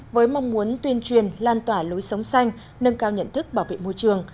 với mong muốn tuyên truyền lan tỏa lối sống xanh nâng cao nhận thức bảo vệ môi trường